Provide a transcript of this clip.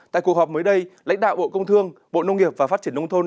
tại cuộc họp mới đây lãnh đạo bộ công thương bộ nông nghiệp và phát triển nông thôn